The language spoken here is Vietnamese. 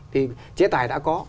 thì chế tài đã có